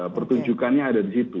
pertunjukannya ada di situ